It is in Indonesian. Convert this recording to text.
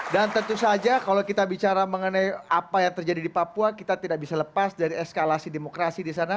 dan tentu saja kalau kita bicara mengenai apa yang terjadi di papua kita tidak bisa lepas dari eskalasi demokrasi di sana